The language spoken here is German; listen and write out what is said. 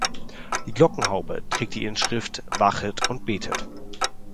Die Glockenhaube trägt die Inschrift „Wachet und betet“.